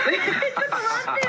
ちょっと待ってよ。